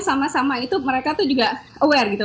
sama sama itu mereka itu juga aware